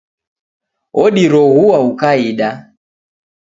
Odiroghua ukaida